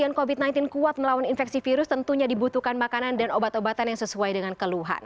pasien covid sembilan belas kuat melawan infeksi virus tentunya dibutuhkan makanan dan obat obatan yang sesuai dengan keluhan